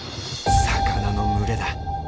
魚の群れだ！